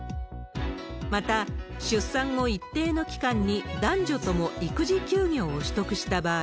また、出産後、一定の期間に男女とも育児休業を取得した場合、